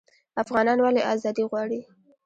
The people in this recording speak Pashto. افغانان ولې ازادي غواړي؟